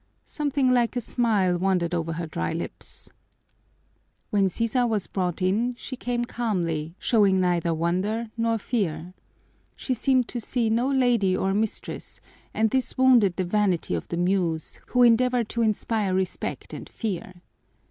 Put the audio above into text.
Something like a smile wandered over her dry lips. When Sisa was brought in she came calmly, showing neither wonder nor fear. She seemed to see no lady or mistress, and this wounded the vanity of the Muse, who endeavored to inspire respect and fear.